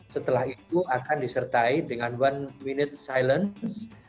setelah itu akan disertai dengan one minute silence